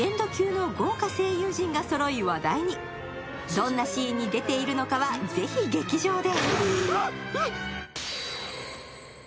どんなシーンに出ているのかはぜひ劇場で。